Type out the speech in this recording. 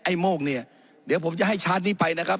โมกเนี่ยเดี๋ยวผมจะให้ชาร์จนี้ไปนะครับ